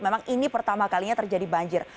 memang ini pertama kalinya terjadi banjir